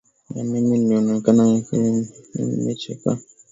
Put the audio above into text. Mimi aliniona nilikokuwa nimechoka, nimechakaa.